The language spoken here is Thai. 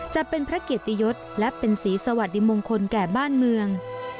จะเป็นพระเกียรติยศและเป็นสีสวัสดีมงคลแก่บ้านเมือง